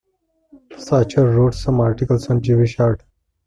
Shachar wrote some articles on Jewish art.